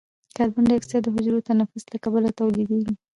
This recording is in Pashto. کاربن ډای اکساید د حجروي تنفس له کبله تولیدیږي.